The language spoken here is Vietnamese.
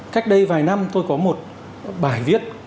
cách đây vài năm tôi có một bài viết